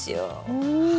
うん。